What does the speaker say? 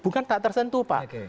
bukan tak tersentuh pak